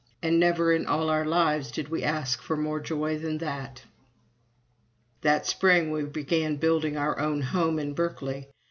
And never in all our lives did we ask for more joy than that. That spring we began building our very own home in Berkeley.